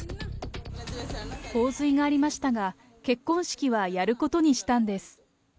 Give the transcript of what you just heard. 洪水がありましたが、結婚式はやることにしたんです。